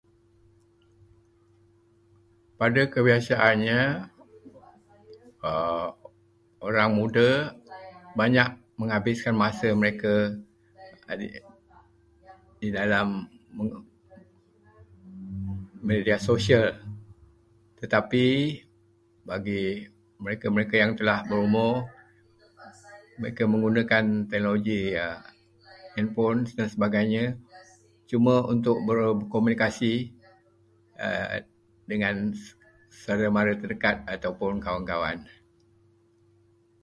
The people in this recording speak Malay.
Pada kebiasaannya, orang muda banyak menghabiskan masa mereka di dalam media sosial, tetapi bagi mereka-mereka yang telah berumur, mereka menggunakan teknologi handphone dan sebagainya cuma untuk berkomunikasi dengan saudara-mara terdekat ataupun kawan-kawan.